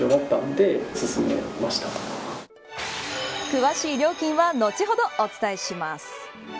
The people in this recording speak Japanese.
詳しい料金は後ほどお伝えします。